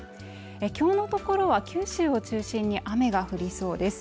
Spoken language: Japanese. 今日のところは九州を中心に雨が降りそうです